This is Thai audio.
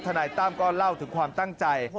นายตั้มก็เล่าถึงความตั้งใจ